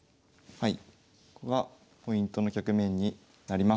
はい。